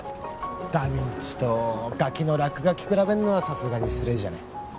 ダ・ヴィンチとガキの落書き比べるのはさすがに失礼じゃね？